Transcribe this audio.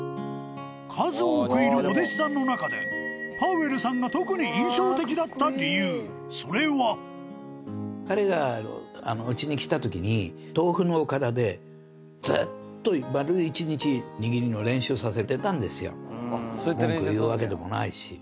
数多くいるお弟子サンの中でパウエルさんが特に印象的だった理由それは彼がうちにきた時に豆腐のおからでずっと丸一日にぎりの練習をさせてたんですよ